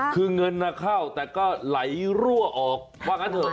คือเงินเข้าแต่ก็ไหลรั่วออกว่างั้นเถอ